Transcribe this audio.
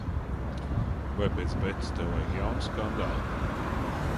Vai pēc Betas tev vajag jaunu skandālu?